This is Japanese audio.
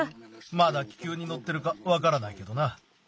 まだ気球にのってるかわからないけどな。